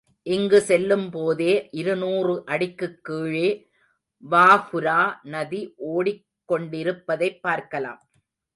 இங்கு செல்லும்போதே இருநூறு அடிக்குக் கீழே வாகூரா நதி ஓடிக் கொண்டிருப்பதைப் பார்க்கலாம்.